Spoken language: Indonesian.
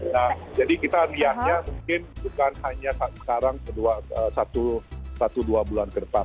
nah jadi kita lihatnya mungkin bukan hanya sekarang satu dua bulan ke depan